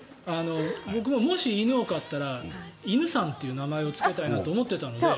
僕ももし犬を飼ったら犬さんっていう名前をつけたいなと思っていたので。